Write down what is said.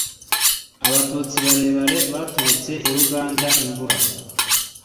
Abatutsi barebare baturutse i Ruganda-Imvura.